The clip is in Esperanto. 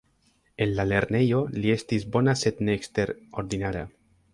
En la lernejo, li estis bona sed ne eksterordinara.